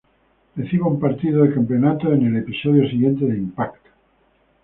Reciba un partido de campeonato en el episodio siguiente de "Impact"!